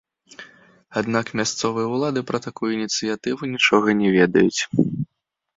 Аднак мясцовыя ўлады пра такую ініцыятыву нічога не ведаюць.